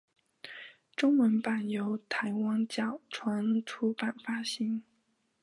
中文版由台湾角川出版发行。